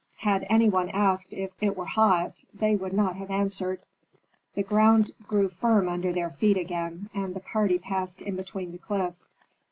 Had any one asked if it were hot, they would not have answered. The ground grew firm under their feet again, and the party passed in between the cliffs.